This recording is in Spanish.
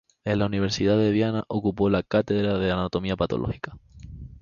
En la Universidad de Viena ocupó la cátedra de anatomía patológica.